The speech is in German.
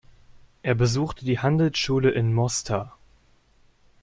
Er besuchte die Handelsschule in Mostar.